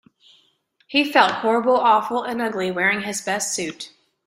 He felt horrible, awful, and ugly wearing his best suit.